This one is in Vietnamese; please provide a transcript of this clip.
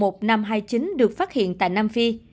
t một mươi một năm trăm hai mươi chín được phát hiện tại nam phi